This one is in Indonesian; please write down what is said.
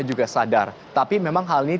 juga sadar tapi memang hal ini